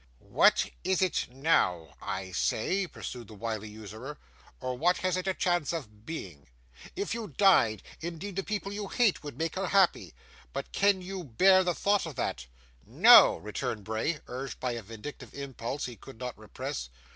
'What is it now, I say,' pursued the wily usurer, 'or what has it a chance of being? If you died, indeed, the people you hate would make her happy. But can you bear the thought of that?' 'No!' returned Bray, urged by a vindictive impulse he could not repress.